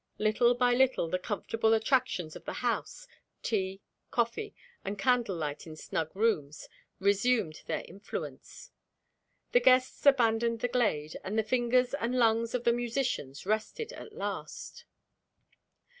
Little by little the comfortable attractions of the house tea, coffee, and candle light in snug rooms resumed their influence. The guests abandoned the glade; and the fingers and lungs of the musicians rested at last.